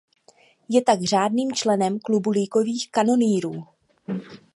Je tak řádným členem Klubu ligových kanonýrů.